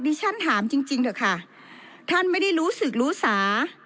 ฉันถามจริงจริงเถอะค่ะท่านไม่ได้รู้สึกรู้สา